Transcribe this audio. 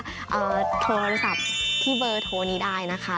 โทรศัพท์ที่เบอร์โทรนี้ได้นะคะ